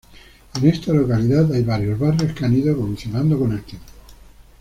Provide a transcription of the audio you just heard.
En esta localidad hay varios barrios que han ido evolucionando con el tiempo.